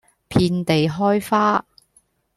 遍地開花